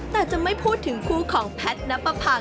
แต่จะไม่พูดถึงคู่ของแพทย์นับประพา